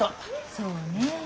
そうねえ。